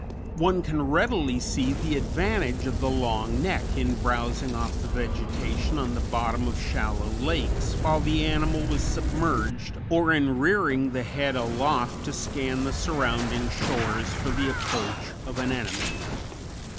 One can readily see the advantage of the long neck in browsing off the vegetation on the bottom of shallow lakes, while the animal was submerged, or in rearing the head aloft to scan the surrounding shores for the approach of an enemy.